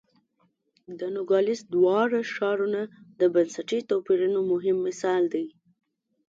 د نوګالس دواړه ښارونه د بنسټي توپیرونو مهم مثال دی.